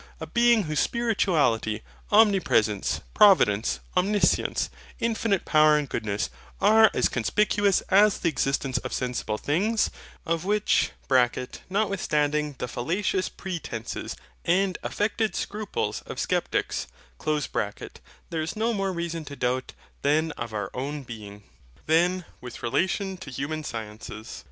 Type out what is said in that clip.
A Being whose spirituality, omnipresence, providence, omniscience, infinite power and goodness, are as conspicuous as the existence of sensible things, of which (notwithstanding the fallacious pretences and affected scruples of Sceptics) there is no more reason to doubt than of our own being. Then, with relation to human sciences.